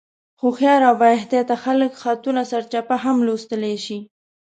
هوښیار او بااحتیاطه خلک خطونه سرچپه هم لوستلی شي.